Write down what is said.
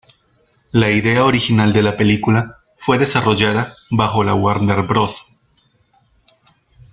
La idea original de la película fue desarrollada bajo la Warner Bros.